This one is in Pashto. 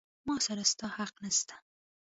ما سره ستا حق نسته.